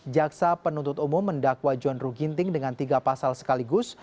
jaksa penuntut umum mendakwa john ruh ginting dengan tiga pasal sekaligus